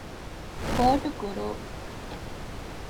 ބޯޓު ކުރޫ